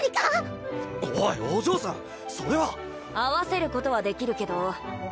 おいお嬢さんそれは会わせることはできるけど